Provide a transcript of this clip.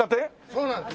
そうなんです。